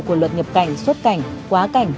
của luật nhập cảnh xuất cảnh quá cảnh